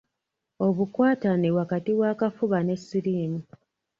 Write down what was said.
Obukwatane wakati w’akafuba ne siriimu.